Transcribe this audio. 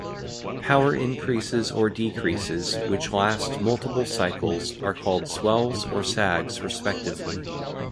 Power increases or decreases which last multiple cycles are called swells or sags, respectively.